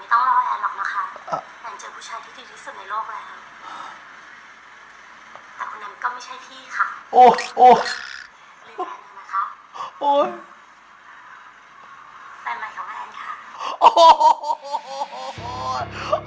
แต่คุณแอร์ก็ไม่ใช่พี่ค่ะเรียนแอร์ด้วยนะคะ